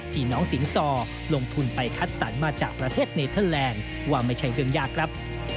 ที่น้องสิงซอลงทุนไปคัดสรรมาจากประเทศเนเทอร์แลนด์ว่าไม่ใช่เรื่องยากครับ